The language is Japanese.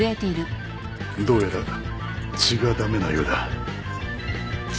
どうやら血が駄目なようだ。